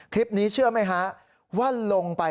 คลิปนี้เชื่อไหมฮะว่าลงไป